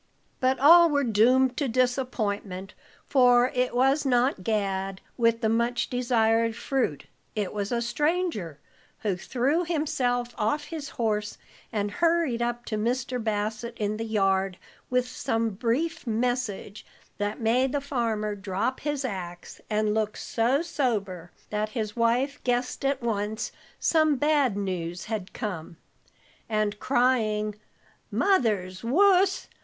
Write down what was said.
But all were doomed to disappointment, for it was not Gad, with the much desired fruit. It was a stranger, who threw himself off his horse and hurried up to Mr. Bassett in the yard, with some brief message that made the farmer drop his ax and look so sober that his wife guessed at once some bad news had come; and crying, "Mother's wuss!